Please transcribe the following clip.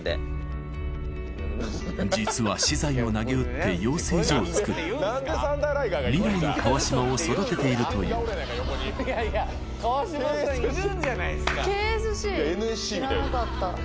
実は私財をなげうって養成所を作り未来の川島を育てているというＫＳＣ知らなかった。